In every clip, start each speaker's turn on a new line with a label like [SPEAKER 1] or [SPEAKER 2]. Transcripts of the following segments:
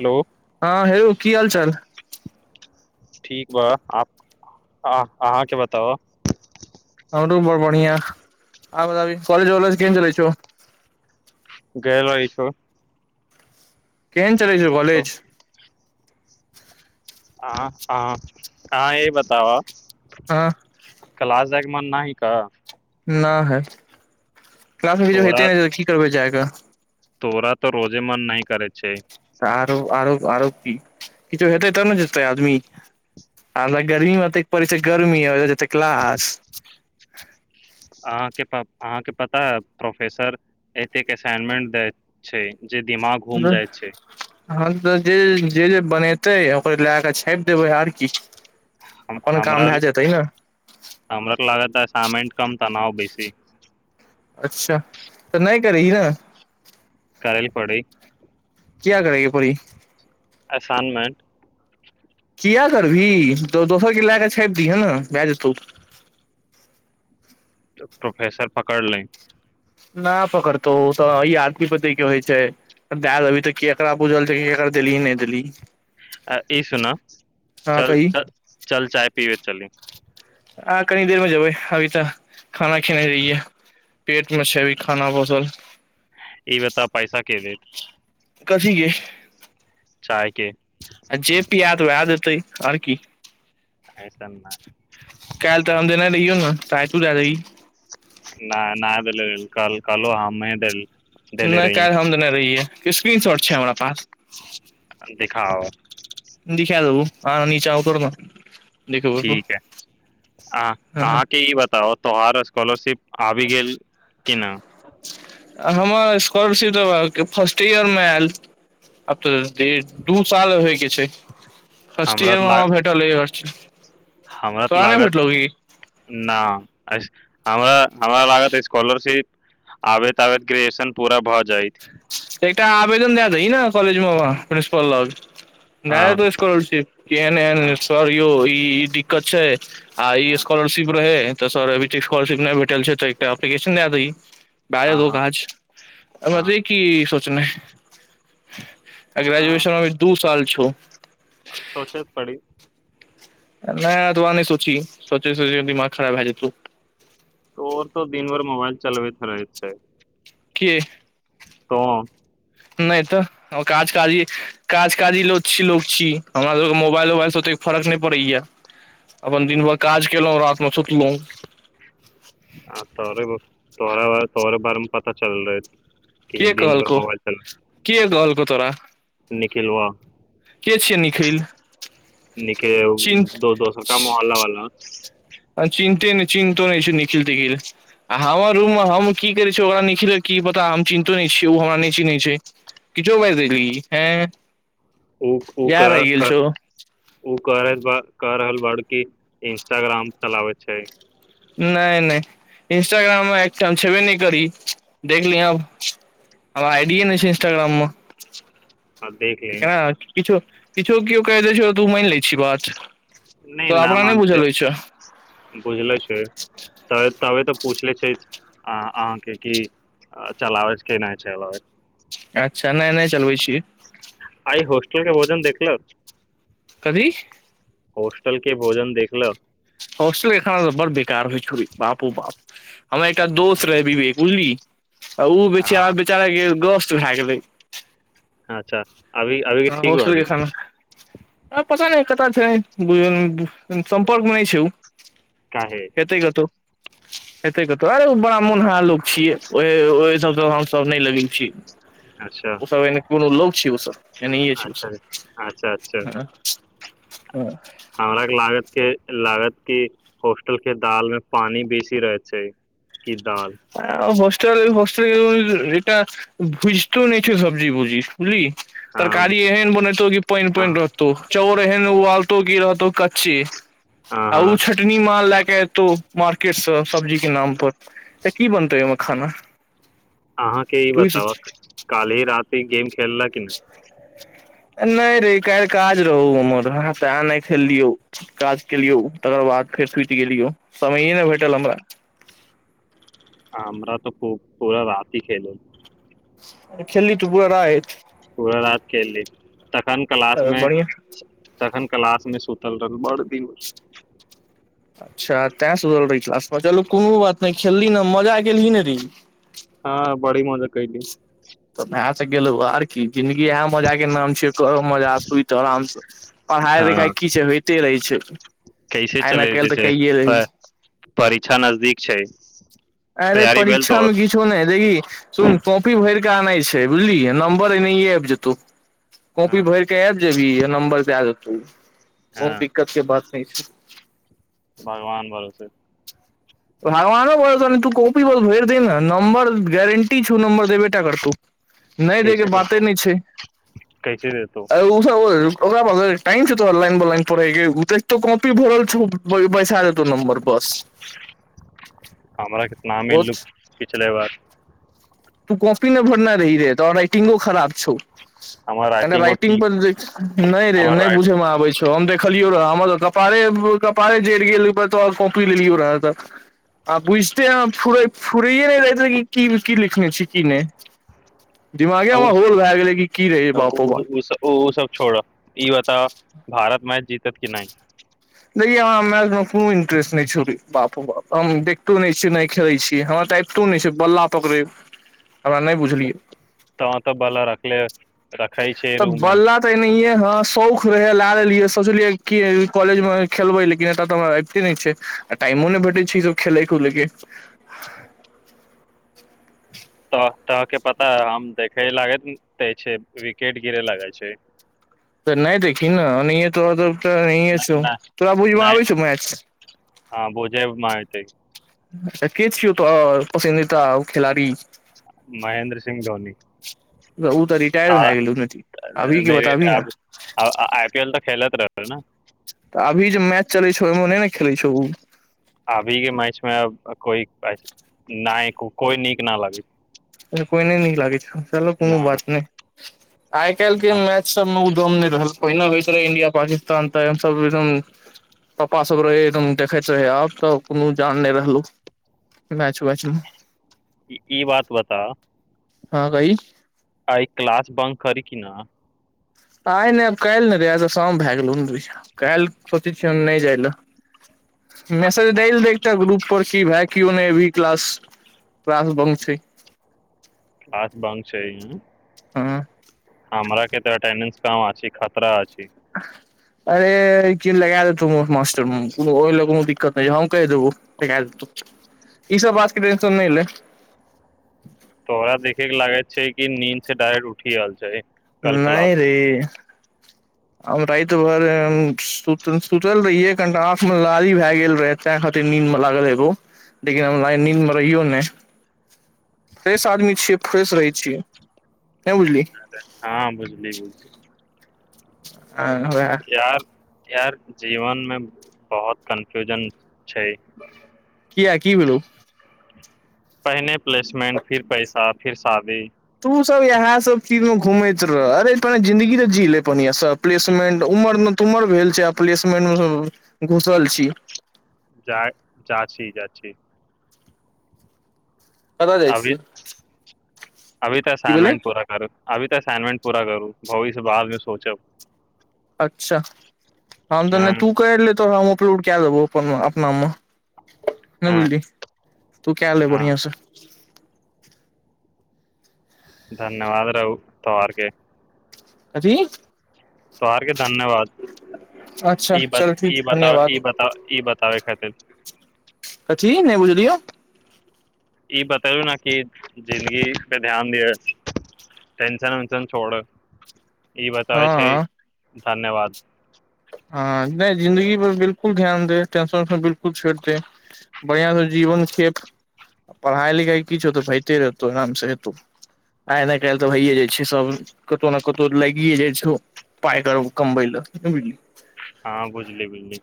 [SPEAKER 1] hello
[SPEAKER 2] हँ हेरो की हाल चाल
[SPEAKER 1] ठीक बा अहाँके बताउ
[SPEAKER 2] ब बढ़िया आ बताब कॉलज वलज केम चलै छ
[SPEAKER 1] क लै छ
[SPEAKER 2] केन चलै छै कॉलेज
[SPEAKER 1] आ ह ह य बताव
[SPEAKER 2] आँ
[SPEAKER 1] क्लस जाएक मन नहि क
[SPEAKER 2] न है क हे
[SPEAKER 1] तोरा
[SPEAKER 2] ने की करे जाय क
[SPEAKER 1] तोरा तऽ रोजे मन नहि करै छै
[SPEAKER 2] आरो आरो आरो क किछो हेतै तब ने जेतै आदमी आ हम गर्मी पड़ै छै गर्मी जेतै कलास
[SPEAKER 1] अहाँ के प अहाँके पता प्रोफेसर एतेक असाइनमेंट दे छै जे दिमाग होम जाइत छै
[SPEAKER 2] हँ जे जे जे बनेतै ओकर लए कऽ छापि देबै आर किछ
[SPEAKER 1] हमरा लागमेंट कम तऽ बैस
[SPEAKER 2] अच्छा तऽ नहि करी ने
[SPEAKER 1] कड़ल पोड़
[SPEAKER 2] क्य करेग परी
[SPEAKER 1] असाइनमेन्ट
[SPEAKER 2] किया करबी तो दोसर क लै क दी ह ने बए जेतू
[SPEAKER 1] प्रोफेसर पकड़ ले
[SPEAKER 2] नहि पकड़तौ ओ त आदमी पे के होइ छै दए देबी तऽ केकरा बुझल छै केकरा देली नहि देली
[SPEAKER 1] ई सुना चल
[SPEAKER 2] कही
[SPEAKER 1] चल चाय पीबे चली
[SPEAKER 2] आ कनी देर मे जेबै अभी तऽ खाना खेने रहियै पेट मे छै अभी खाना बसल
[SPEAKER 1] ई बता पैसा के देत
[SPEAKER 2] कथी के
[SPEAKER 1] चायके
[SPEAKER 2] आ जे पी आत वएह देतै आर की
[SPEAKER 1] ऐसन
[SPEAKER 2] कालल तरम देना रहिौ ने राय तू जाही
[SPEAKER 1] नहि नहि देल कल कलो हममे द
[SPEAKER 2] नहि काल्हि हम त नहि रहियै स्क्रीन शॉट छै हमरा पास अ
[SPEAKER 1] देखाउ
[SPEAKER 2] आ नी चावतोरना
[SPEAKER 1] ठीक है अ
[SPEAKER 2] हँ
[SPEAKER 1] अहाँके ई बताउ तोहार स्कलशिप आबि गेल कि नहि
[SPEAKER 2] हमर स्कॉलरशिप फर्स्ट ईयरमे आयल आब तऽ दू साल होयके छै फर्स्ट
[SPEAKER 1] हमरा
[SPEAKER 2] इयर
[SPEAKER 1] तऽ
[SPEAKER 2] म हमा
[SPEAKER 1] लाग
[SPEAKER 2] भेटल अच्छा
[SPEAKER 1] हमरा तऽ लागत नहिऐ हमरा लागत स्कॉलरशिप आबैत आब ग्रेजुएशन पूरा भ जाइत
[SPEAKER 2] एकटा आवेदन दए दै ने कलजमे प्रिन्सिपल ल नाय
[SPEAKER 1] हँ
[SPEAKER 2] तोसकल छी एनन
[SPEAKER 1] हँ
[SPEAKER 2] सारो ई दिक्कत छै आ ई
[SPEAKER 1] हँ
[SPEAKER 2] स्कॉलरशिप रहै तऽ सर अभी स्ॉलरशिप नहि भेटल छै त एकटा ए्लिकेशन दए दही बय द
[SPEAKER 1] हँ
[SPEAKER 2] कह आाज हम
[SPEAKER 1] हँ
[SPEAKER 2] जे कि सोचना आ ग्रेजुएशन मेी दू साल प छू
[SPEAKER 1] अभ सोच पड़ी
[SPEAKER 2] नहि तो आह नहि सोची सोचे सोचे दिमाग खराब भए जेतौ
[SPEAKER 1] तो त दिनभर मोबाइल चलबैत रहै छै
[SPEAKER 2] क
[SPEAKER 1] त
[SPEAKER 2] नहि तऽ काज काजी काज काजी ल छी ल छी हमरा सभके मोबाइल उोबाइलसँ ओतेक फर्क नहि पड़ैएा अपन दिन भर काज केलहुँ राातमे सुतलहुँ
[SPEAKER 1] ोड़ा ब ोड़े बार मे पता चल रहै
[SPEAKER 2] के
[SPEAKER 1] दिन भर
[SPEAKER 2] कहलकौ
[SPEAKER 1] मोबाइल च
[SPEAKER 2] के कहलकौ तोरा
[SPEAKER 1] निखिल हु
[SPEAKER 2] के छियै निखिल
[SPEAKER 1] निखिल
[SPEAKER 2] चिन्
[SPEAKER 1] द दो सटा मोहलला वा
[SPEAKER 2] चिन्ते नहि चिन्तो नहि छै निखिल तिखिल आ हमर रूममे हम की करै छिय ओकरा निखिलके की पता हम चिन्हतो नहि छियै ओ हमरा नहि चिन्हैत छै किछो बाजि देलियी हँ
[SPEAKER 1] ओ ओ ओ कार कार हल ब कि इंस्टाग्राम चलाबैत छै
[SPEAKER 2] नहि नहि इंस्टाग्राममे एकटाम छेबे नहि करी देखली अ हम आइडियए नहि छै इन्स्टाग्राममे
[SPEAKER 1] आ देख ले
[SPEAKER 2] ठ छै ने किछु किछो केओ कहि द छै तऽ मानि लै छी बात
[SPEAKER 1] नहि
[SPEAKER 2] तोरा
[SPEAKER 1] न
[SPEAKER 2] अपना
[SPEAKER 1] मनसे
[SPEAKER 2] बुझल होइ छौ
[SPEAKER 1] भूझले छै त पूछले छै अहाँके क चलाबै के नहि चलाबै
[SPEAKER 2] अच्छा नहि नहि चलबै छीियै
[SPEAKER 1] आइ होस्टेल के भोजन देखल
[SPEAKER 2] कथी
[SPEAKER 1] होस्टल के भोजन देखल
[SPEAKER 2] हॉस्टेल एखाना त बड़ बेकार होइ बापू बाप हमर एकटा दोस्त रह भी वेग उझली आ ओ बेची
[SPEAKER 1] हँ
[SPEAKER 2] हमर बेचारा ग चूहा गेलै
[SPEAKER 1] अच्छा अभी अभीे ठीक
[SPEAKER 2] हॉस्टल के
[SPEAKER 1] बै
[SPEAKER 2] खाना आ पता नहि कत छै सं्पर्क नहि छै
[SPEAKER 1] काहे
[SPEAKER 2] हतै ग तू हेते कतहु आरे बड़ा मोनहार लोक छियै ओ सब हमसभ नहि लगे छी
[SPEAKER 1] अच्छा
[SPEAKER 2] ओसभ एने कोनो ल छी ओसभ एने इ छ ओ
[SPEAKER 1] अच्छा
[SPEAKER 2] सब
[SPEAKER 1] अच्छा अच्छा
[SPEAKER 2] हँ ह
[SPEAKER 1] हमरा के लागत के लागत क होस्टल के दाल मे पानि बेसी रहैत छै कि दाल
[SPEAKER 2] आ हस्टल ह टा भुजतो नहि छै सबजी बुजी बुझली
[SPEAKER 1] हँ
[SPEAKER 2] तरकारी
[SPEAKER 1] बुझलिय
[SPEAKER 2] एहेन बनतौ की पान
[SPEAKER 1] हँ
[SPEAKER 2] पानन रहतौ चाउर एहन उलत [inaudible] ची आ
[SPEAKER 1] अहाँ
[SPEAKER 2] ओ छटनी माल लए क तो मार्केटसँ सब्जी के नाम पर ा की बनतै ओहिमे खाना
[SPEAKER 1] अहाँके ई
[SPEAKER 2] तू सोच
[SPEAKER 1] बताबह काल्हिी राति ई गेम खेललाह कि न
[SPEAKER 2] नहि रे काल्हि काज रहौ हमर अ तऽ नहि खेललियौ काज केलियौ तकर बाद फेर टूटि गेलियौ समयए नहि भेटल हमरा
[SPEAKER 1] हमरा तऽ खू पूरा रति खेल
[SPEAKER 2] खेलल तू पआरा
[SPEAKER 1] पूरा रात खेलि तखन क्लास
[SPEAKER 2] तऽ
[SPEAKER 1] मे
[SPEAKER 2] बढ़िया
[SPEAKER 1] तखन क्ास में सुतल रनब [unintelligible]
[SPEAKER 2] अच्छा तैं सुधल रहै छास बजलो कोनो बात नहि खेलली ने मजा गेलल ही ने री
[SPEAKER 1] हँ बड़ी मजा कली
[SPEAKER 2] तऽ वएह से गेलहु आर की जिंन्दगी इएह मजा के नाम छ कर मजा सुइत आराम से पढ़ाई लिखाई
[SPEAKER 1] हँ
[SPEAKER 2] कीछ होइते रहे छै [unintelligible]
[SPEAKER 1] कैसे
[SPEAKER 2] न काल्हि
[SPEAKER 1] चले
[SPEAKER 2] तऽ
[SPEAKER 1] छै
[SPEAKER 2] कहिये रही
[SPEAKER 1] पर परीक्षा नजदीक छै
[SPEAKER 2] अरे
[SPEAKER 1] तैयारी भेल
[SPEAKER 2] परीक्षा में
[SPEAKER 1] तोहर
[SPEAKER 2] किछो नहि देखी सुन कॉपी भर नहि छै बुझलि नम्बर अ अऐब जेतौ कॉपी
[SPEAKER 1] हँ
[SPEAKER 2] भरके भी नंबर द आ देतौ बहुत
[SPEAKER 1] हँ
[SPEAKER 2] दिक्कत के बात छै
[SPEAKER 1] भगवान भरोसे
[SPEAKER 2] भर ने बस तू कोॉपी बस भेर द ने नंबर गेरंटी छू नं्बर देब बेैटा कर तू नहि दय के
[SPEAKER 1] कैसे
[SPEAKER 2] बाते
[SPEAKER 1] देतो
[SPEAKER 2] नहि छै
[SPEAKER 1] कैसे देतो
[SPEAKER 2] ओ सब ओकरार टाम तऽ लन बललान पे त तो कॉपी भरल छ पै साढ़े त नंबर बस
[SPEAKER 1] कमरा नामी
[SPEAKER 2] ओ
[SPEAKER 1] लुक पिछले बार
[SPEAKER 2] तू कॉपी नहि भरना रही रहै तऽ राइटिंगो खराब
[SPEAKER 1] हमर राइटिंगो
[SPEAKER 2] रइटिंग
[SPEAKER 1] ठीक
[SPEAKER 2] पर न रे
[SPEAKER 1] हमर
[SPEAKER 2] न बुझ
[SPEAKER 1] राइट
[SPEAKER 2] छै लियो रह हमर त कपारे कपारे जरि गेल तो कॉपी लेलियो रह तऽ आ बुझ त फ फुरैए नहि जाइत कि ही की नहि दिमागेमे होल भए गेलै कि की रहै बापो बाप
[SPEAKER 1] ओ सब छोड़ ई ओ तऽ भारत मैच जीतत किी नहि
[SPEAKER 2] देखै हमरा मैचमे कोनो इंट्रेस्ट नहि छौड़े बाप बाप हम देखितो नहि छियै नहि खेलै छियै हमरा तऽ आबितो नहि छै बल्ला पकड़े
[SPEAKER 1] तह तऽ भला रखले रखै छै
[SPEAKER 2] तऽ
[SPEAKER 1] रूम मे
[SPEAKER 2] बोलला तऽ नहि हँ ौ रहै लियै सोचलियै कॉलेज मे खेलबै लेकिन एतय तऽ हम आबिते नहि छै टाइमो नहि भेटै छै ई सब खेलय कुलैके
[SPEAKER 1] तऽ तहके पता हम देखे लागैत तै छै विकेट गिरे लागै छै
[SPEAKER 2] तऽ नहि देखी ने तऽ त त अ छ तोरा बूज
[SPEAKER 1] नहि
[SPEAKER 2] आ
[SPEAKER 1] नहि
[SPEAKER 2] छ मैच
[SPEAKER 1] ठीक छै
[SPEAKER 2] अच्ा छीत पसन्द तऽ आ खेलड़ी
[SPEAKER 1] महेन्द्र सिंह
[SPEAKER 2] ओ तऽ
[SPEAKER 1] धोनीथा
[SPEAKER 2] रिटायर भए गेलौ ने, अभी के
[SPEAKER 1] आई
[SPEAKER 2] बताबी ने
[SPEAKER 1] पी एल तऽ खेलैत रह ने
[SPEAKER 2] तऽ अभी जे मैच चलै छौ मने ने खेलै छौ
[SPEAKER 1] अभी के मैच मे कोइ कोइ नीक न लगे
[SPEAKER 2] कोइ नहि न लागै छै चलो कोनो बात नहि आइ काल्
[SPEAKER 1] ई
[SPEAKER 2] के मैच सब मे एकदम रहल पहिने होइत रहै इंडिया पाकिस्तान तऽ सब एकदम पापा सब रहे एकदम देखैत रहै आब त कोनो जान नहि रहलहु
[SPEAKER 1] ई बात बता
[SPEAKER 2] हँ कही
[SPEAKER 1] अ क्लस बन्द कर किना
[SPEAKER 2] आइ नहि आब काल्हि ने रहै तऽ शाम भए गेलहु रहै काल्हि सोचै छिय नहि जाय लए मसेज दल देखटा ग्रुप पर की भाय केओ नहि अभी क्लास क्लास बंक छै
[SPEAKER 1] आास भंग छै
[SPEAKER 2] आँ
[SPEAKER 1] हमरा के तऽटेडेंस काम खतरा ठीक
[SPEAKER 2] अरे रे की लगा देतौ मुँह मे मास्टर ओहि ल कोनो दिक्कत नहि छै हम कहि देबो लगा देतौ ई सब बात के टेंशन नहि ले
[SPEAKER 1] तो ओकरा देखे के लागैत छै कि नींद से डायरेक्ट उठि रहल छै कल क्लास
[SPEAKER 2] नहि
[SPEAKER 1] मे
[SPEAKER 2] रे हम राति भरि सुत सुतल रहियै कनिटा आँखिमे लाली भए गेल रहै तैँ खातिर नीन्दमे लागल हेबो लेकिन हम नीन्दमे रहि नहि फ्रेश आदमी छियै फ्रेश रहै छियै नहि बुझली
[SPEAKER 1] हँ बुजली
[SPEAKER 2] वएह
[SPEAKER 1] यार यार जीवनमे बहुत कन्फ्यूजन छै
[SPEAKER 2] किया की भेलयौ
[SPEAKER 1] पहिने प्लेसमंट फिर पैसा फिर शादी
[SPEAKER 2] तू सब इहा सब तीनो घुमैत रह अरे थोड़ा जिंदगी तऽ जीले बढ़ियाँ सँ प्लेसमेंट उमरमे न तुमर भेल छै आ प्लेसमेंट मे घुसल छी
[SPEAKER 1] जाय जा छी जा छी
[SPEAKER 2] कतऽ जाइ
[SPEAKER 1] अभी
[SPEAKER 2] छियै
[SPEAKER 1] अभी तऽ सनवन पूरा करू अभी असाइनमेंट पूरा करू भविष्य बादमे सोचब
[SPEAKER 2] अच्छा हम तऽ नै
[SPEAKER 1] हँ
[SPEAKER 2] तू कैर ले तोरा हम अपलोड कए देबौ अपनमे अपना मे नहि
[SPEAKER 1] हँ
[SPEAKER 2] बुझली तू क ले
[SPEAKER 1] हँ
[SPEAKER 2] बढ़िआस
[SPEAKER 1] धन्यवाद रहु तोरके
[SPEAKER 2] कथी
[SPEAKER 1] तो हार के धन्यवाद
[SPEAKER 2] अच्छा
[SPEAKER 1] ई ब
[SPEAKER 2] चल ठीक
[SPEAKER 1] ई
[SPEAKER 2] है,
[SPEAKER 1] बताब
[SPEAKER 2] धन्यवाद
[SPEAKER 1] ई बताब ई बताबै खातिर
[SPEAKER 2] कथी नहि बुझलियौ
[SPEAKER 1] ई बतैयौ न कि जिन्दगी पे ध्यान दिअ टेंशन उंशन छोड़ह ई बताबै छै
[SPEAKER 2] हँ
[SPEAKER 1] धन्यवाद
[SPEAKER 2] हँ नहि जिंन्दगीपर बिल्कुल ध्यान दे टेंशन उशन बिल्कुल छोड़ि दे बढ़िआँसँ जीवन खेप पढ़ाइ लिखाइ किछो उ तऽ होइते रहतौ आरामसँ हेतौ आइ नहि काल्हि तऽ भइए जाइ छै सभ कतहु ने कतहु लागिए जाइ छौ पाइ कमबै ला नहि बुझलियै
[SPEAKER 1] हँ बुझली बुझली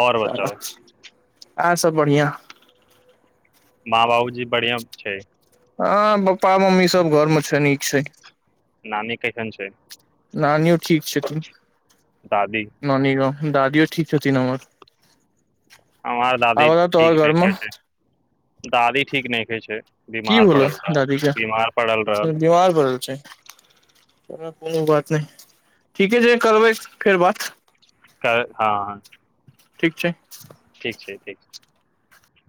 [SPEAKER 1] आओर
[SPEAKER 2] साला
[SPEAKER 1] बताउ
[SPEAKER 2] आर सब बढ़ियां
[SPEAKER 1] बढ़ियां छै
[SPEAKER 2] हँ पप्पा मम्मी सब घर मे छै नीक छै
[SPEAKER 1] नानी कैसन छै
[SPEAKER 2] नानीयौ ठीक छै छथिन
[SPEAKER 1] दादी
[SPEAKER 2] नानी गाँव दादी यौ ठीक छथिन हमर
[SPEAKER 1] हमार दादी
[SPEAKER 2] आब बताउ तोहर
[SPEAKER 1] ठीक
[SPEAKER 2] घर मे
[SPEAKER 1] देखियौ छै दादी ठीक नहि खे छै
[SPEAKER 2] की
[SPEAKER 1] बीमार
[SPEAKER 2] भेलौ
[SPEAKER 1] पड़ल
[SPEAKER 2] दादी
[SPEAKER 1] रह बीमार पड़ल
[SPEAKER 2] के
[SPEAKER 1] रहल
[SPEAKER 2] बीमार पड़ल छै
[SPEAKER 1] रह
[SPEAKER 2] कोनो बात नहि ठीके छै करबै फेर बात
[SPEAKER 1] हँ
[SPEAKER 2] ठीक छै
[SPEAKER 1] ठीक छै ठीक छै